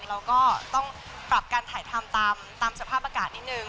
เราก็ต้องปรับการถ่ายพันธุ์ตามตามสภาพอากาศนิดหนึ่ง